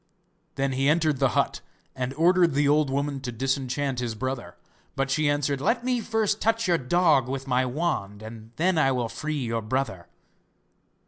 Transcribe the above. Then he entered the hut and ordered the old woman to disenchant his brother. But she answered: 'Let me first touch your dog with my wand, and then I will free your brother.